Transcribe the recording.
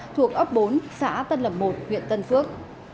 thuộc ấp bốn xã tân lập một huyện tân phước